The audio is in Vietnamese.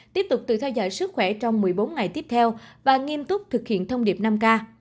tiếp tục tự theo dõi sức khỏe trong một mươi bốn ngày tiếp theo và nghiêm túc thực hiện thông điệp năm k